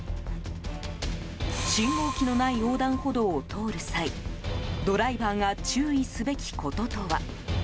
信号機のない横断歩道を通る際ドライバーが注意すべきこととは？